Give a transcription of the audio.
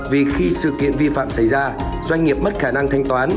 vì khi sự kiện vi phạm xảy ra doanh nghiệp mất khả năng thanh toán